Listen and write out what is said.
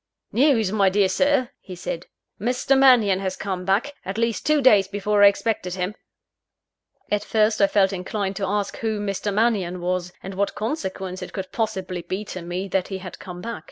"News, my dear sir!" he said. "Mr. Mannion has come back at least two days before I expected him!" At first, I felt inclined to ask who Mr. Mannion was, and what consequence it could possibly be to me that he had come back.